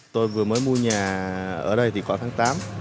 tôi vừa mới mua nhà ở đây thì khoảng tháng tám